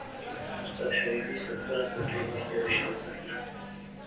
استاد حبیبي سبکونه په دوو برخو وېشلي دي.